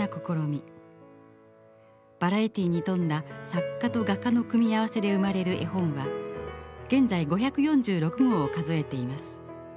バラエティーに富んだ作家と画家の組み合わせで生まれる絵本は現在５４６号を数えています。